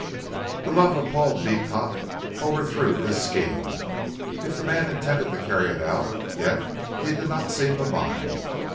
The love of Paul Beecot overthrew this scheme, if the man intended to carry it out, yet he did not seem to mind.